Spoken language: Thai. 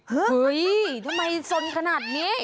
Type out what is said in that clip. เฮ้ยทำไมสนขนาดนี้